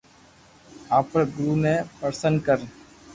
آپري گرو ني پرݾن ڪر